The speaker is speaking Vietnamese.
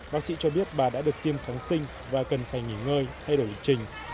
bác sĩ cho biết bà đã được tiêm kháng sinh và cần phải nghỉ ngơi thay đổi lịch trình